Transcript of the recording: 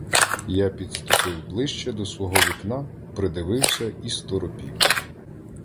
Я підступив ближче до свого вікна, придивився і сторопів.